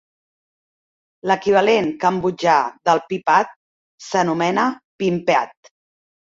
L'equivalent cambodjà del "piphat" s'anomena "pinpeat".